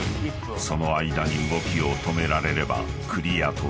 ［その間に動きを止められればクリアとなる］